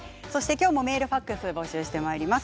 きょうもメールファックスを募集してまいります。